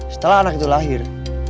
setelah anak itu lahir